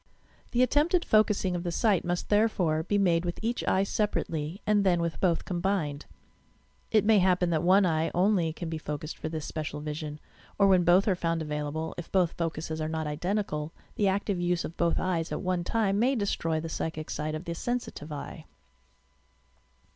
The attempted focusing of the sight must, therefore, be made with each eye separately and then with both combined. It may happ>en that one eye only can be focused for this special vision, or when both are found available, if both focuses are not identical, the active use of both eyes at one time may destroy the psychic sight of the sensitive e\ e.